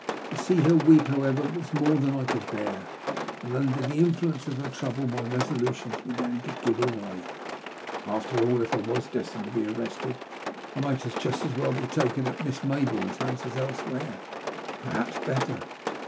To see her weep, however, was more than I could bear, and under the influence of her trouble my resolutions began to give way. After all, if I tca$ destined to be arrested, I might just as well be taken at Mr. Mayboume's house as elsewhere — ^perhaps better.